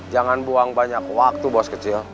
jangan buang banyak waktu bos kecil